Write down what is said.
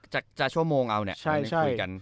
จากชั่วโมงเอาเนี่ย